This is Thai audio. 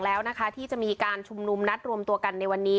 แล้วนะคะที่จะมีการชุมนุมนัดรวมตัวกันในวันนี้